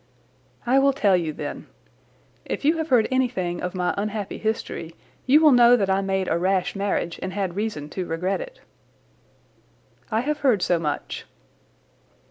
"I will tell you, then. If you have heard anything of my unhappy history you will know that I made a rash marriage and had reason to regret it." "I have heard so much."